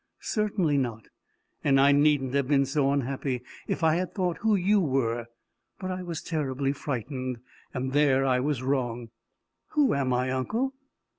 "Certainly not. And I needn't have been so unhappy if I had thought who you were. But I was terribly frightened, and there I was wrong." "Who am I, uncle?"